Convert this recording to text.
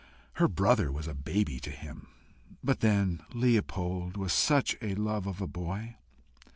Her brother was a baby to him! But then Leopold was such a love of a boy!